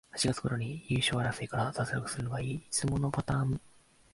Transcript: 八月ごろに優勝争いから脱落するのがいつものパターン